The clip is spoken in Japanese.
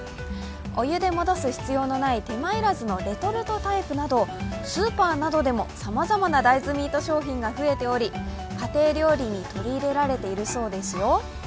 お湯で戻す必要のない手間要らずのレトルトタイプなどスーパーなどでもさまざまな大豆ミート商品が増えており家庭料理に取り入れられているそうですよ。